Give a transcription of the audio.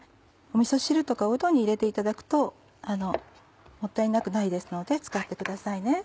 みそ汁とかうどんに入れていただくともったいなくないですので使ってくださいね。